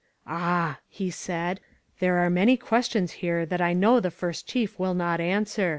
Ah!" he said; "there are many questions here that I know the First Chief will not answer.